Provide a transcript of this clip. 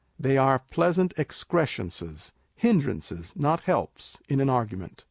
They are pleasing excrescences â€" hindrances, not helps in an argu ment.